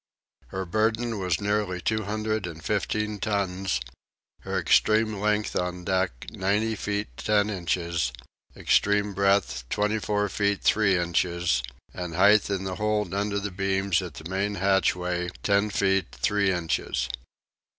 Her burthen was nearly two hundred and fifteen tons; her extreme length on deck ninety feet ten inches; extreme breadth twenty four feet three inches; and height in the hold under the beams at the main hatchway ten feet three inches.